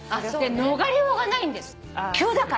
逃れようがないんです急だから。